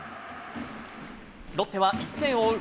ロッテは１点を追う